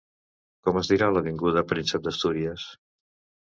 Com es dirà l'avinguda Príncep d'Astúries?